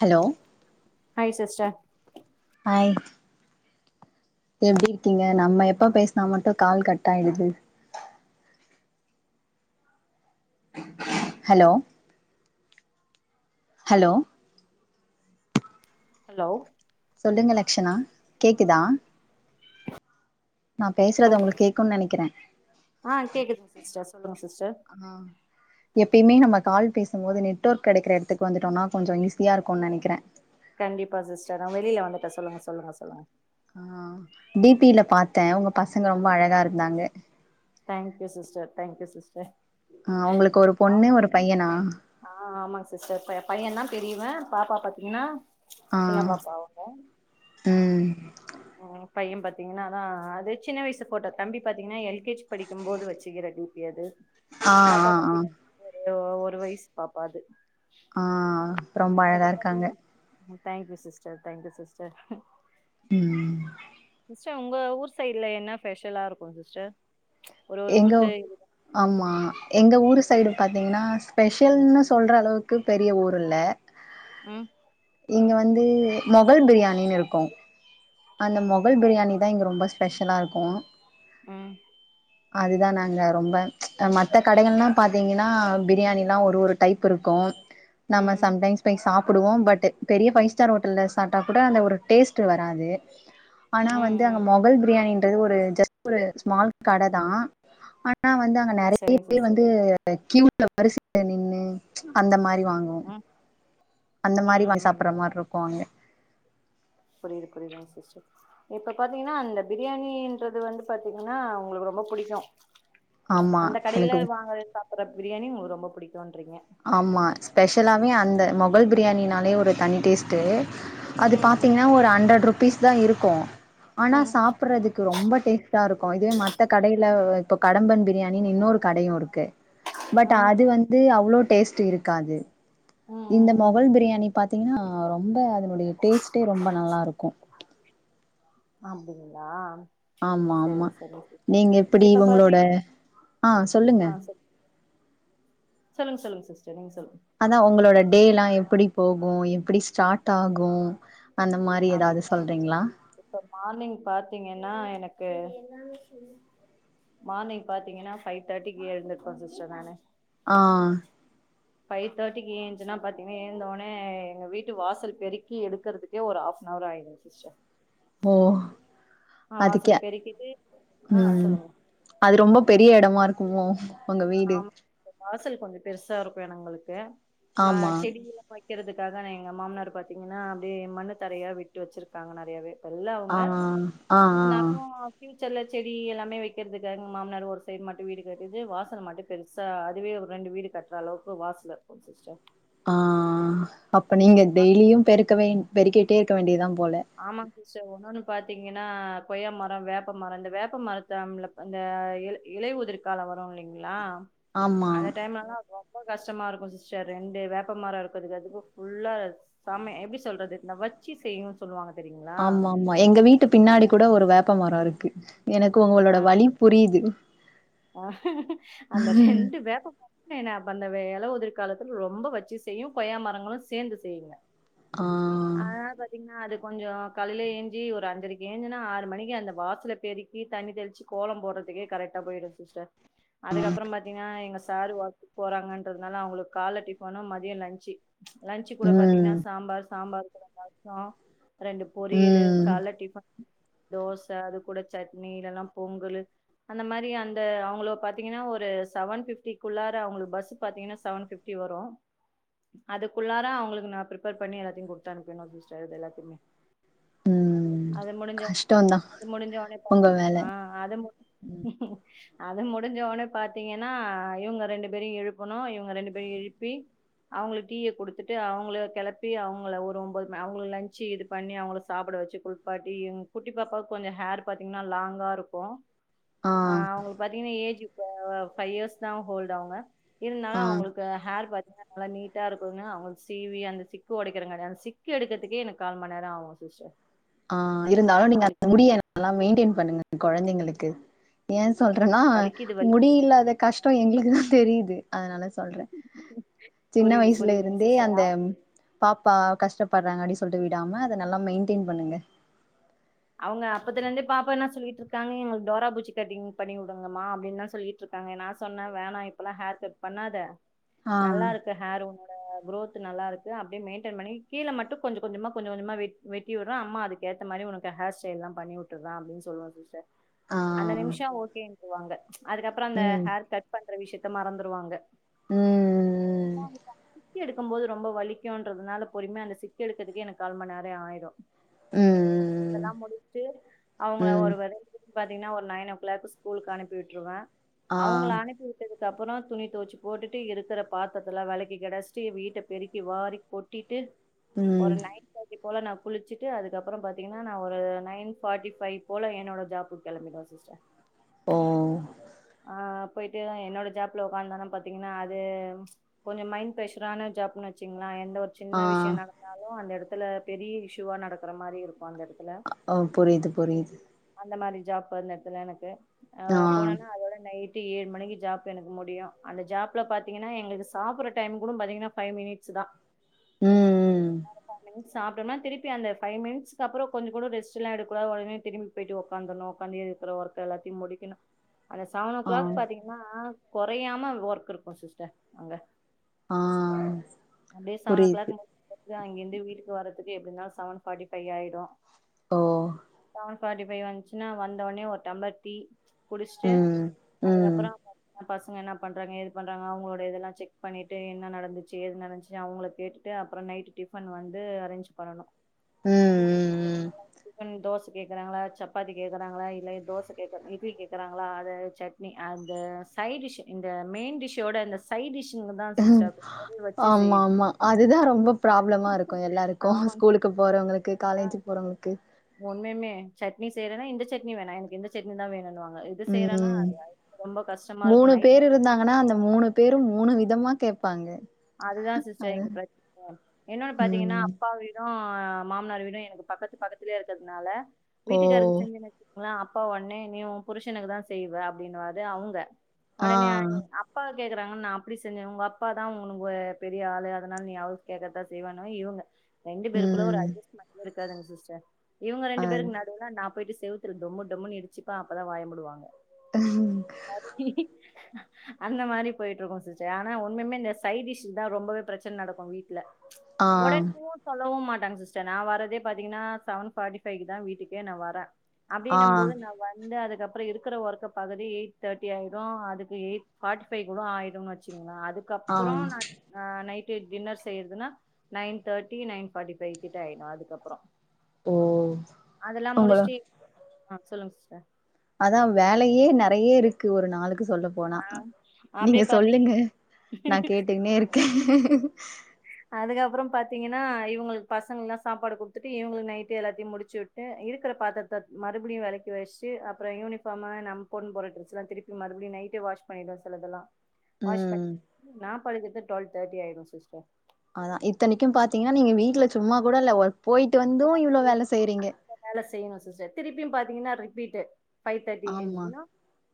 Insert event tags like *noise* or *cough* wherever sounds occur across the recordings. hello hi sister hi எப்டி இருக்கீங்க நம்ம எப்ப பேசினா மட்டும் கால் கட் ஆயிடுது ஹலோ ஹலோ ஹலோ சொல்லுங்க லக்ஷணா கேக்குதா நான் ஹலோ பேசுறது உங்களுக்கு கேக்கும் நெனைக்கிறேன் ஆ கேக்குதுங்க சிஸ்டர் சொல்லுங்க சிஸ்டர் ஆ எப்பயுமே நம்ம கால் பேச ம் போது நெட்வொர்க் கெடைக்குற எடத்துக்கு வந்துடொன்னா கொஞ்ச ஈஸியா இருக்குனு நெனைக்கிறேன் கண்டிப்பா சிஸ்டர் நா வெளியில வந்துட்டே சொல்லுங்க-சொல்லுங்க-சொல்லுங்க ஆஹ் டிபில பார்த்தே உங்க பசங்க ரொம்ப அழகா இருந்தாங்க தேங்க்யூ சிஸ்டர் தேங்க்யூ சிஸ்டர் ஆஹ் உங்களுக்கு ஒரு பொண்ணு ஒரு பையனா ஆஹ் ஆமாங்க சிஸ்டர் பையன் தா பெரியவே பாப்பா பாத்தீங்கன்னா சின்ன ஆஹ் பாப்பா அவங்க உம் பையன் பாத்தீங்கன்னா அதா அது சின்ன வயசு போட்டோ தம்பி பாத்தீங்கன்னா எல் கே ஜி படிக்குமோது வெச்சுக்குற டிபி அது ஆஹ் பாப்பா ஆஹ் ஆஹ் பாத்தீங் ஒரு வயிசு பாப்பா அது ஆஹ் ரொம்ப இப்ப அழகாயிருக்காங்க பாத்தீங்கன்னா தேங்க்யூ சிஸ்டர் தேங்க்யூ சிஸ்டர் உம் சிஸ்டர் உங்க ஊர் சைட்ல என்ன ஸ்பெஷலாயிருக்கோ சிஸ்டர் ஒரு ஒரு எங்க ஊருக்கு ஆமா எங்க ஊரு சைடு பாத்தீங்கன்னா ஸ்பெஷல்னு சொல்ற அளவுக்கு பெரிய ஊர்யில்ல உம் இங்க வந்து மொகல் பிரியாணினுயிருக்கோ அந்த மொகல் பிரியாணிதா இங்க ரொம்ப ஸ்பெஷலாயிருக்கோ உம் அதுதா நாங்க ரொம்ப மத்த கடைகள்லா பார்த்தீங்கன்னா பிரியாணிலா ஒரு ஒரு டைப்யிருக்கோ நம்ம ம் சம்டைம்ஸ் போய் சாப் புடுவோ பட் பெரிய ஃபைவ் ஸ்டார் ஹோட்டல்ல சாப்டா கூட அந்த ஒரு டேஸ்ட் வராது ஆனா ம் வந்து அங்க ம் மொகல் பிரியாணி ஒரு ஜஸ்ட் ஒரு ஸ்மால் கடதா ஆனா ஆனா வந்து அங்க நெறைய சரிங்க பேர் சிஸ்டர் வந்து கியூல வரிசைல நின்னு அந்த மாதிரி வாங்குவோ ம் அந்த ம் மாதிரி ம் சாப்பிடுறா ம் மாதிரியிருக்கோ அங்க புரியுது புரியுதுங்க சிஸ்டர் இப்ப பாத்தீங்கன்னா அந்த பிரியாணின்றது வந்து பாத்தீங்கன்னா உங்களுக்கு ரொம்ப புடிக்கோ ஆமா எனக்கு டுற பிரியாணி உங்களுக்கு ரொம்ப புடிக்கோ ஆமா ஸ்பெஷல்லாவே அந்த மொகல் பிரியாணினாலே ஒரு தனி டேஸ்ட்டு அது ம் ம் பாத்தீங்கன்னா ஒரு ஹண்ரெட் ருப் பீஸ்தா இருக்கோ ஆனா ம் சாப்பிடுறதுக்கு ரொம்ப டேஸ்ட்டாயிருக்கோ இதுவே மத்த கடை ல இப்போ கடம்பன் பிரியாணின்னு இன்னோரு கடையோயிருக்கு ம் பட் ம் அது வந்து அவ்ளோ டேஸ்ட்யிருக்காது ம் இந்த ம் மொகல் பிரியாணி பாத்தீங்கன்னா ரொம்ப அதனுடைய டேஸ்ட்டே ரொம்ப நல்லாயிருக்கோ அப்டிங்களா ஆமா ஆமா சரிங்க சரிங்க சிஸ்டர் நீங்க எப்டி இப்ப உங்களோட பாத்தீங்கன் ஆஹ் சொல்லுங்க ஆ சொல் சொல்லுங்க சொல்லுங்க சிஸ்டர் நீங்க சொல்லுங்க அதா உங்களோட டேலா எப்டி போகோ எப்டி ஸ்டார்ட் ஆகோ அப்டிங்களா டீச்சர் இப்ப மார்னிங் பாத்தீங்கன்னா எனக்கு எனக்கு மார்னிங் பாத்தீங்கன்னா ஃபைவ் தேர்ட்டிக்கு எழுந்திருப்பே சிஸ்டர் நானு ஆஹ் ஃபைவ் தேர்ட்டிக்கு ஏஞ்சன்னா பாத்தீங்கன்னா எழுந்தோனே எங்க வீட்டு வாசல் பெருக்கி எடுக்குறதுக்கே ஒரு ஆஃப் ணார் ஆயிடோங்க சிச்டர் ஓ வாசல அதுக்கே பெருக்கிட்டு ஆ உம் சொல்லுங்க அது ரொம்ப பெரியயெடமாயிருக்கோ *unintelligible* உங்க வீடு ஆமா வாசல் கொஞ்சோ பெருசாயிருக்கோ எங்களுக்கு மா ஆமா செடி *unintelligible* வெக்குறதுக்காக நா எங்க மாமனார் பார்த்தீங்கன்னா அப்டியே மண்ணு தரையா விட்டு வெச்சிருக்காங்க நெறையவே ஆஹ் ஆஹ் ஆஹ்ஹா ப்யூச்சர்ல செடி எல்லாமே வெக்குறதுக்கு எங்க மாமனார் ஒரு சைடு மட்டோ வீடு கட்டுது வாசல் மட்டோ பெருசா அதுவே ஒரு ரெண்டு வீடு கட்டுற அளவுக்கு வாசலிருக்கோ சிஸ்டர் ஆஹ் அப்ப அதுவே நீங்க டெய்லியோ பெருக்க வேண் பெறிக்கேட்டேயிருக்க வேண்டியதா போல ஆமா சிஸ்டர் ஒன்னோன்னு பாத்தீங்கன்னா கொய்யா மரோ வேப்பமரோ இந்த வேப்பமரத்த இந்த இலை உதிர்காலோ வரோயில்லைங்களா ஆமா அந்த டைம்லலா ரொம்ப கஷ்டமாயிருக்கோ சிஸ்டர் ரெண்டு வேப்பமரோ இருக்குறதுக்கு அதுக்கோ புல்லா சாம எப்டி சொல்றது இந்த வெச்சு செய்யோ சொல்லுவாங்க ஆமா ஆமா எங்க வீட்டு பின்னாடி கூட ஒரு வேப்ப ப்ப மரோயிருக்கு எனக்கு உங்களோட வலி புரியுது ஆஹஹ அந்த ரெண்டு வேப்பமரோமே அப்ப அந்த எலயுதிர் காலத்துல ரொம்ப வெச்சு செய்யோ கொய்யா மரங்களோ சேர்ந்து செய்யுங்க ஆ அதனால பாத்தீங்கன்னா அது கொஞ்சோ காலையில ஏஞ்சி ஒரு அஞ்சரைக்கு ஏஞ்சன்னா ஆறு மணிக்கு அந்த வாசல்ல பெருக்கி தண்ணி தெளிச்சு கோலோ போடுறதுக்கே கரெக்டா போயிடோ சிஸ்டர் அதுக்கப்புறோ பாத்தீங்கன்னா எங்க சாரு ஒர்க்கு போறாங்கன்றதுனால அவங்களுக்கு கால டிபனும் மதியம் லன்்சு லஞ்ச்கூட பாத்தீங்கன்னா ம் சாம்பார் சாம்பார் கூட ரசம் ரெண்டு பொரியல் ம் கால டிஃபன் தோசை அது கூட சட்னி இல்லானா பொங்கலு அந்த மாதிரி அந்த அவங்களும் பாத்தீங்கன்னா ஒரு செவன் பிப்டிக்குள்ளார அவங்களுக்கு பஸ்ஸு பாத்தீங்கன்னா செவன் பிப்டி வரும் அதுக்குள்ளார அவங்களுக்கு நான் பிரேபர்ப்பண்ணி எல்லாத் குடுத்து அனுப்பினோம் சிஸ்டர் இது எல்லாத்தையுமே ம் அது முடிஞ்சோ கஷ்டோந்தா அது முடிஞ்சொடனே உங்க வேல ஆஹ் அது முடிஞ் அது முடிஞ்சொடனே பார்த்தீங்கன்னா இவங்க ரெண்டு பேரையும் எழுப்பணும் இவங்க ரெண்டு பேரையும் எழுப்பி அவங்களுக்கு டீயை கொடுத்துட்டு அவங்கள கிளப்பி அவங்க ங்கள ஒரு ஒன்பது மணி அவங்க லஞ்ச்சு இது பண்ணி அவங்க சாப்பிட வச்சு குளிப்பாட்டி எங் குட்டி பாப்பாவுக்கு கொஞ்சம் ஹேர் பாத்தீங்கன்னா லாங்கா இருக்கும் ஆ ஆஹ் அவங்களுக்கு பாத்தீங்கன்னா ஏஜ் பஃபைவ் இயர்ஸ் தான் ஹோல்ட் ஆங்க ஆ இருந்தாலும் அவங்களுக்கு ஹேர் பாத்த நல்லா நீட்டா இருக்குதுன்னு அவங்க சீவி அந்த சிக்கு உடை யேதும்கிடையாது சிக்கு எடுக்கத்துக்கே எனக்கு கால் மநேரம் ஆகும் சிஸ்டர் ஆஹ் இருந்தாலும் நீங்க அந்த வலிக்கு முடியல்லாம் மெயின்டன் பண்ணுங்க குழந்தைங்களுக்கு ஏன் சொல்றேன்னா வலிக்குது வலிக்குது முடியில்லாத கஷ்டம் எங்களுக்குதான் தெரியுது அதனால சொல்றேன் சின்ன புரியுது வயசுல புரியுதுங்க இருந்தே சிஸ்டர் அந்த பாப்பா கஷ்டப்படுறாங்க அப்படி சொல்லிட்டு விடாம அத நல்லா மெயின்டைன் பண்ணுங்க அவங்க அப்பத்துல இருந்தே பாப்பா என்ன சொல்லிட்டு இருக்காங்க டோரா புஜ்ஜி கட்டிங் பண்ணி விடுங்கம்மா அப்படின்னுதான் சொல்லிட்டு இருக்காங்க நான் சொன்னேன் வேணா இப்பல்லாம் ஹேர் கட் பண்ணாத ஆ நல்லா இருக்கு ஹேருூ ஹ குரோத் நல்லா இருக்கு அப்டியே மெயின்டென் பண்ணி கீழ மட்டும் கொஞ்ச கொஞ்சமா கொஞ்ச கொஞ்சமா வெட் வெட்டி விடுற அம்மா அதுக்கு ஏத்த மாரி உனக்கு ஹேர்ஸ்டைல்ல்லாம் பண்ணி விட்டுருறானு அப்டினு சொல்லுவன் சிஸ்டர் ஆ அந்த நிமிஷம் ஓகே போவாங்க அதுக்கப்புறம் அந்த ம் ஹேர் கட் பண்ண விஷயத்த மறந்துடுவாங்க ம் ம் வாப்ப சிக்கி எடுக்கும்போது ரொம்ப வலிக்குன்றதுனால பொறுமமை அந்த சிக்க எடுக்குறதுக்கே எனக்கு கால்மணி நேரியம் ஆயிடும் ம் ம் இதெல்லாம் முடிட்டு ம் அவங்கள ம் ஒரு வலியா பாத்தீங்கன்னா ஒரு நைன் ஓக் ளாக் ஸ்கூலுக்கு அனுப்பிட்டுருவேன் ஆ அவங்க அனுப்பி விட்ட அதுக்கப்புறம் துணி துவச்சு போட்டுட்டு இருக்கிற பாத்திரத்துல விளக்கி கிடா ச்சிட்டு வீட்டை பெருக்கி வாரி கொட்டிட்டு ஒரு ம் நயன்தாட்டி போல நான் குளிச்சுட்டு அதுக்கப்புறம் ப பாதிங்கன நான் ஒரு நைன் பார்டிைவ் போல என்னோட ஜாபக்கு கிளம்பிடுவேன் சிஸ்டர் ஓஓஓ ஆ போயிட்டு என்னோட ஜாப்ல உக்காந்தானா பாத்தீங்கன்னா அது கொஞ்சம் மைண்ட் ஃப்ரெஷரான ஜாப்ன்னு வச்சுங்களன் எந்த ஒரு ஆ சின்ன விஷயம் நடந்தாலும் அந்த இடத்து இடத்துல பெரிய இஷூுவா நடக்குற மாதிரி இருக்கும் ஓ புரியுது புரியுது அந்த மாரி ஜாப் இடத்துல எனக்கு ஆ ஆஹ் போன நைட் ஏழு மணிக்கு ஜாப் எனக்கு முடியும் அந்த ஜாப்ல பாத்தீங்கன்னா எங்களுக்கு சாப்பிடுற டைம் கூட பாத்தீங்கன்னா பபைவ் மினிட்ஸ் தான் உம் உம் சாப்பிட்டோம்ன திருப்பி அந்த பைவ் மினிட்்கு அப்புறம் கொஞ்சம் கூட ரெஸ்ட்லாம் எடுக்ககூடாது திரும்பி போயிட்டு உட்காந்துண உட்க்காந்து இருக்கிற ஒர்க் எல்லாத்தையும் முடிக்கணும் அந்த செவன் ஓ ஆ கிளாக் பாத்தீங்கன்னா குறையாம ஒர்க் இருக்கும் சிஸ்டர் அங்க ஆ அ செவன் ஓ புரியுது க்ளாக் அங்கிருந்து வீட்டுக்கு வரதுக்கு எப்படிின்னால செவன்ஃபார்ட்டி பபைவ் ஆயிடும் ஓ செவன்ஃபார்ட்டி வந்துச்சுன்னா வந்தனே ஒரு டம்ளர் டீ குடிச்சுட்டு உம் உம் அதுக்கப்புறம் பாத்தீங்கன்னா பசங்க என்ன பண்றாங்க எது பண்றாங்க அவங்களோட இதெல்லாம் செக் பண்ணிட்டு என்ன நடந்துச்சு எது நடந்துச்சு அவங்கள கேட்டுட்டு அப்புறம் நைட் டிஃபன் வந்து அரேஞ்ச் பண்ணணும் ம் ம் தோசை கேக்குறாங்களாப் சப்பாதி கேக்குறாங்களா இல்ல தோசை கேக்குற இட்லி கேக்குறாங்க அதது சட்னி அந்த சைட் டிஷ் இந்த மெயின் டிஷ்ோட இந்த சைட் டிஷ் ஆமா ஆமா அதுதான் ரொம்ப ப்ராப்ளமா இருக்கும் எல்லாருக்கும் ஆமாங்க ஸ்கூலுக்கு போறவங்களுக்கு காலேஜுக்கு போறவங்களுக்கு உ ண்ுமே சட்னி செய்றேன இந்த சட்னி வேணாம் எனக்கு இந்த சட்னி தான் வேணும்னுுவாங்க உம் மூணு இருக்கும் நைட் பேரு இருந்தாங்கன்னா அந்த மூணு பேரும் மூணு விதமா கேட்பாங்க அதுதான் சிஸ்டர் இங்க பிரச்சனை என்ன்னொன்னு பாத்தீங்கன்னா ம் அப்பா வீட ஆஹ மாமனார் வீடும்ும் எனக்கு பக்கத்து பக்கத்திலயே இருக்கிறதுனால ஓ வீட்டுக்காருக்கு செஞ்சு நைச்சலாம் அப்பா உடனே நீ புருஷனுக்கு தான் செய்வ அப்படின்னுுவது அவங்க ஆ உடனே அப்பா கேக்குறாங்க நான் அப்படி செஞ்சேனா உங்க அப்பா தான் உங்க உனக்கு பெரிய ஆளு அதனால நீ அவரு கேட்கிறதா செய்வானும் இவங்க ரெண்டு பேருக்குள்ள ஒரு ம் அஜஸ்க்கு இருக்காதூங்க சிஸ்டர் இவங்க அ ரெண்டு பேருக்கு நடடுவுனா நா போயிட்டு செவுத்துல டொம்மு டொம்முனு இடிச்சுப்ப அப்பதான் வாயம் மூடுவாங்க அக்க *unintelligible* அந்த மாதிரி போயிட்டு இருக்கும் சிச்ச ஆனா உண்மே சைடிஷ் தான் ரொம்பவே பிரச்சனை நடக்கும் வீட்டுல ஆ உடம்பவும் சொல்லவும் மாட்ட சி்ஸ்டர் நான் வரதே பாத்தீங்கன்னா செவன் ஃபார்டி ஃபை தான் வீட்டுே நான் வரேன் ஆ அப்டின்னும் போது நான் வந்து அதுக்கு அப்புற இருக்கிற ஒர்க பகுதி எய் தேர்டி ஆயிடும் அதுக்கு எய்ட் ஃபாட்டி ஃபை கூட ஆயிடும்னு வச்சிக்கொங்களேன் அதுக்கப் ஆ அப்புறம் நா ஹ நைட் டின்னர் செய்யறதுன்னா nine thirty nine forty five கிட்ட ஆயிடும் அதுக்கப்புறம் ஓ உங்கள ஆஹ் சொல்லுங்க சிஸ்டர் அதான் வேலயே நறைய இருக்கு ஒரு நாளுக்கு சொல்ல போனா ஆ நீங்க அப்டியே சொல்லுங்க பாத்தீங்க நான் கேட்டுங்கன்னே இருக்கேன் அதுக்கப்புறம் பார்த்திங்கன்னா இங்களுக்கு பசங்கள்லாம் சாப்பாடு குடுத்துட்டு இவங்களுக்கு நைட்டு எல்லாத்தையும் முடிச்சு விட்டு இருக்கிற பாத்திரத்தை மறுபடியும் வெளக்கி வச்ட்டு அப்புறம் யூனிஃபார்மு நம் போட்டனு போற ட்ரஸ்லாம் திருப்பி மறுபடியும் நைட்டே வாஷ் பண்ணிடுவோம் சிலதெல்லாம் வாஷ் ம் ப படுகது டுவல்வ தே்டி ஆயிடும் சிஸ்டர் அதான் இத்தனைக்கும் பாத்தீங்கன்னா நீங்க வீட்டுல சும்மா கூட இல்ல ஒ போயிட்டு வந்தும் இவ்வளோ வேலை செய்யறீங்க வேல செய்யணும் திருப்பியும் பாத்தீங்கன்னா ரிப்பீட் ஃபைவ் தேர்டி ஆமா எஞ்சிகனும்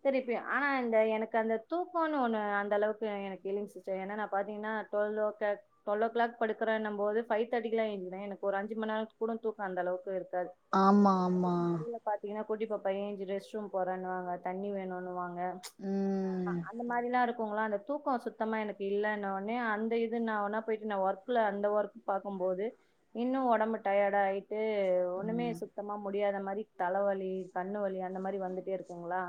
திருப்பி ஆனா இந்த எனக்கு அந்த தூக்கம்னு ஒன்று அந்தளவுக்கு எனக்கில்லிங்க சிஸ்டர் ஏன்னா ந ப பாத்தீங்கன்னா டுவெல்வ ஓ கள டுவெல்வ ஓ கிள் படுக்கேன் நும் போது ஃபைவ் தர்டி லாம் எஞ்சிருேன் எனக்கு ஒரு அ்சு மணி நாள்க்கு கூட தூக்கம் அந்தளவுக்கு ஆமா ஆமா குட்டி பாப்பா ஏஞ்சி ரெஸ் ரூம் போறன்னுவாங்க தண்ணி வேணும்னு வாங்க ம் அந்த மாதிரல்லாம் இருக்கும் அந்த தூக்கம் சுத்தமா எனக்கு இல்ல அந்த இ ந போ ஒர்கல அந்த ஒர்க் பார்க்கும் போது இன்னும் உடம்புட்ட டயர்ட -ஆயி் ட்டு ஒண்ணுமே ம் சுத்தமா முடி முடியாத மாரி தலவலி கண்ணு வலி அந்த மாரி வந்துட்டே இருக்குங்களா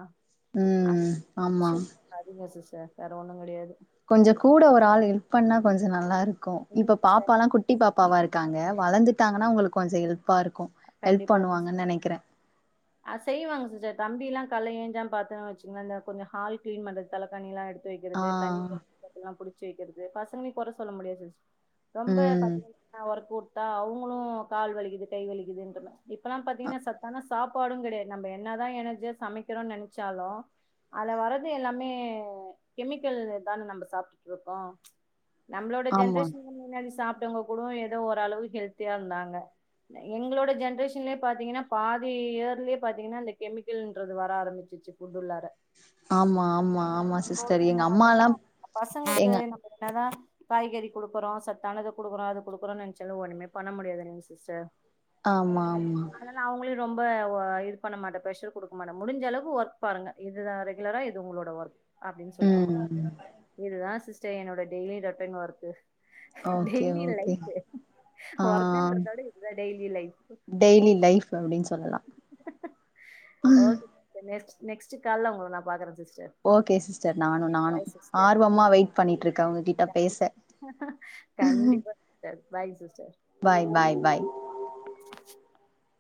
ம் ஆமா *unintelligible* வே வேற ஒண்ணும் கிடயாது கொஞ்சம் கூட ஒரு ஆள் ஹெல்ப் பண்ணா கொஞ்சம் நல்லா இருக் இப்ப பாப்பல்லாம் குட்டி பாப்பாவா இருக்காங்க வளர்ந்துட்டாங்கன்னா உங்களுக்கு கொஞ்ச இல் ப்பா இருக்கும் ஹெல்ப் பண்ணுவாங்கன்னு நினைக்கிறேன் அ செய்வாங்க சார் தம்பி எல்லாம் கலை ஏஞ்சா ப பாரத்துன்னு வச்சங்கன்னா இந்தஞ்சம் ஹால் கிளீன் பண்றது தலைக்கானி எல்லாம் எடு ஆ வைக்கிறது தண்ணில்லாம் *unintelligible* பிடிச்ச வக்கிறது பசங்கலி கொற சொல்ல முடியாது ரொம்ப ம் பத்தா ஒரு கூ அவங்களும் கால் வலிக்குது கை வலிக்குது இ தன்னா இப்பெல்லாம் பாத்தீங்கன்னா சத்தான சாப்பாடும் கிடையாது நம்ம என்னதான் எனர்ஜியா சமைக்கிறோம்னு நினைச்சாலும் அல வர்றது எல்லாமே கெமிக்கல் தானே நம்ம சாப்பிட்டுட்டு இருக்கோம் நம்மளோட ஆமா ஜென்ரேஷன் முன்னாடி சாப்ப வங்க கூட ஏதோ ஓரளவுக்கு ஹெல்த்தியா இருந்தாங்க எங்களோட ஜென்ரேஷன்ல பாத்தீங்கன்னா பாதி இயர்லயே பாத்தீங்கன்னா அந்த கெமிக்கல்ன்ற வர ஆரம்பிச்சுச்சு அப்ப ஆமா ஆமா ஆமா போது சிஸ்டர் என்ன எங்க அம்மாலா ஆகுதுன்னா பசங்களுக்கு எங்க நம்ம என்னதான் காய்கறி குடுக்குறோம் சத்தானத குடுக்குறோம் அது குடுக்குறோம்னு நினைச்சாலும் ஒண்ணுமே பண்ண முடியாது இல்லைங்கசிஸ்டர் ஆமா -ஆமா ரொம்ப இது பண்ண மாட்டேன் பிரஷர் கொடுக்க மாட்டே முடிஞ்சளவு ஒர்க் பாருங்க இதுதான் ரெகுலரா இது உங்களோட ஒர்க் அப்படின்னு சொல்லிட்டு முடி ம் இதுதான் ச என்னோட daily routine work okay daily okay life ஆ ஒர்க்ன்றதோட இதுதான் இரு டெய்லி லைஃப் அப்படின்னு சொல்லலாம் ஓகே சிஸ்டர் நெக்ஸ்ட் நெக்ஸ்ட் கால உங்க ந பாக்குறு ஓகே சிஸ்டர் நானும்- நானும் சிஸ்டர் ஆர்வமா வெயிட் பண்ணிட்டு இருக்கேன் உங்க கிட்ட பேச கண்டிப்பா sister bye sister bye -bye- பாய் *inaudible*